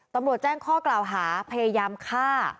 ตำรวจแจ้งข้อกล่าวหาพยายามฆ่า